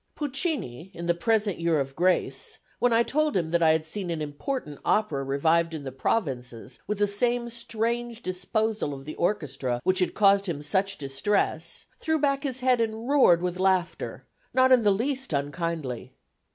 Puccini in the present year of grace, when I told him that I had seen an important opera revived in the provinces with the same strange disposal of the orchestra which had caused him such distress, threw back his head and roared with laughter, not in the least unkindly.